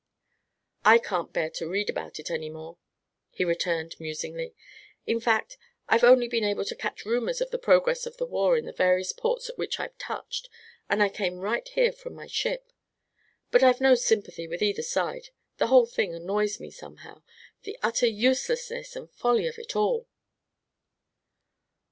"I can't bear to read about it any more," he returned, musingly. "In fact, I've only been able to catch rumors of the progress of the war in the various ports at which I've touched, and I came right here from my ship. But I've no sympathy with either side. The whole thing annoys me, somehow the utter uselessness and folly of it all."